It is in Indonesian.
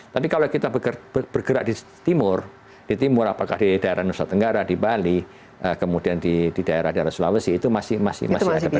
tapi kalau kita bergerak di timur di timur apakah di daerah nusa tenggara di bali kemudian di daerah daerah sulawesi itu masih ada perubahan